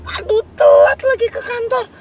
aduh telat lagi ke kantor